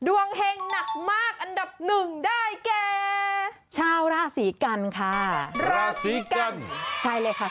วงเห็งหนักมากอันดับ๑ได้แก